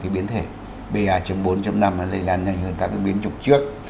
biến thể ba bốn năm lây lan nhanh hơn các biến trục trước